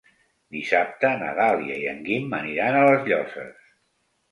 Dissabte na Dàlia i en Guim aniran a les Llosses.